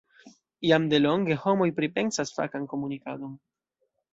Jam delonge homoj pripensas fakan komunikadon.